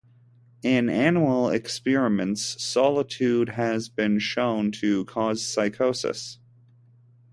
In animal experiments, solitude has been shown to cause psychosis.